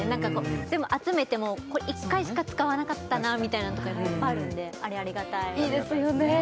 全部集めてもこれ１回しか使わなかったなみたいのとかいっぱいあるんであれありがたいいいですよね